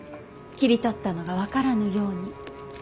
切り取ったのが分からぬように。